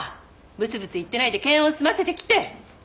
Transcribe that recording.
ぶつぶつ言ってないで検温済ませてきて。